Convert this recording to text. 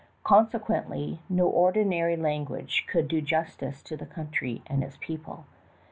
Consequently no ordinary language could do justice to the country and its people.